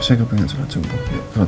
saya juga pengen sholat shumbu ya